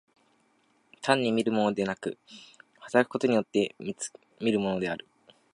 単に見るものでなく、働くことによって見るものである。